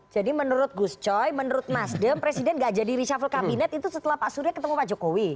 jadi menurut gus coy menurut mas dem presiden gak jadi reshuffle kabinet itu setelah pak surya ketemu pak jokowi